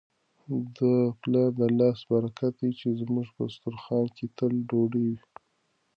د پلار د لاس برکت دی چي زموږ په دسترخوان کي تل ډوډۍ وي.